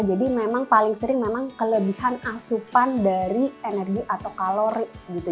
jadi memang paling sering memang kelebihan asupan dari energi atau kalori gitu